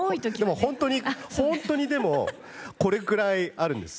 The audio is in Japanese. でも本当に本当にでもこれぐらいあるんです。